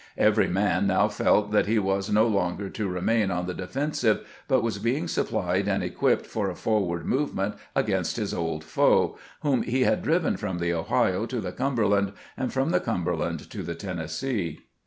Every man now felt that he was no longer to remain on the defensive, but was being supplied and equipped for a forward movement against his old foe, whom he had driven from the Ohio to the Cumberland, and from the Cumberland to the Tennessee.